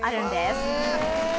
へえ！